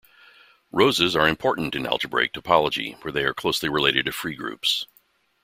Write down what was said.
Roses are important in algebraic topology, where they are closely related to free groups.